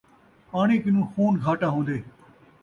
پاݨی کنوں خون گھاٹا ہوندے